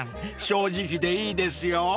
正直でいいですよ］